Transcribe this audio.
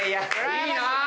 いいな！